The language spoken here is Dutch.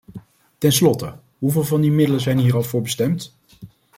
Ten slotte, hoeveel van die middelen zijn hier al voor bestemd?